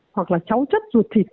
hoặc là cháu chất ruột thịt